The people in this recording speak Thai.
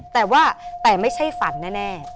แต่ว่าแต่ไม่ใช่ฝันแน่